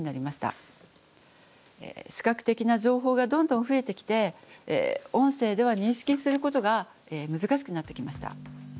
視覚的な情報がどんどん増えてきて音声では認識することが難しくなってきました。